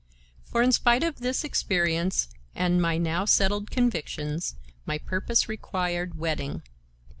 For, in spite of this experience and my now settled convictions, my purpose required whetting.